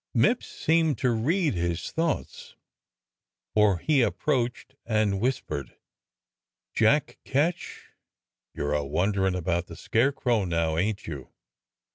Mipps seemed to read his thoughts, for he approached and whispered: "Jack Ketch, you're a wonderin' about the scarecrow now, ain't you.